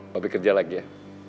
papi kerja lagi ya